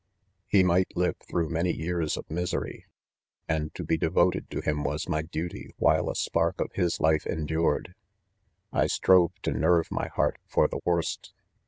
— Ke might live through many years of misery ; and to be devoted to him was my duty while a spark of his life endured. I strove to nerve fliy heart for the worst.